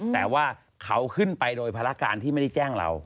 แต่ว่าเขาขึ้นไปโดยภารการที่ไม่ได้แจ้งเรา